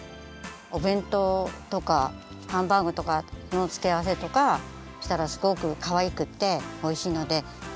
おべんとうとかハンバーグとかのつけあわせとかしたらすごくかわいくっておいしいのでやってみてください。